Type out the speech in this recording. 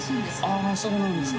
あぁそうなんですか。